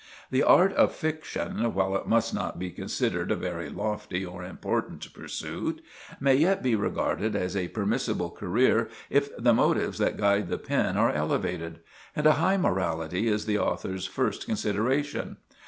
"The art of fiction, while it must not be considered a very lofty or important pursuit, may yet be regarded as a permissible career if the motives that guide the pen are elevated, and a high morality is the author's first consideration.